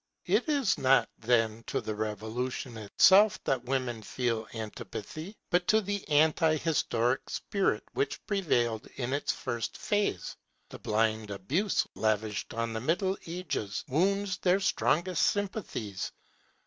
It is not, then, to the Revolution itself that women feel antipathy, but to the anti historic spirit which prevailed in its first phase. The blind abuse lavished on the Middle Ages wounds their strongest sympathies.